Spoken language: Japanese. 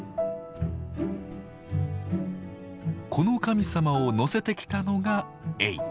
この神様を乗せてきたのがエイ。